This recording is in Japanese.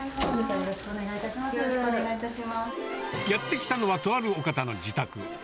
やって来たのは、とあるお方の自宅。